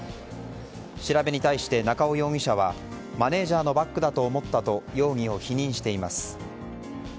調べに対して、中尾容疑者はマネジャーのバッグだと思ったと容疑を否認しています。